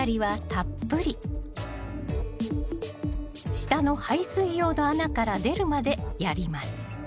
下の排水用の穴から出るまでやります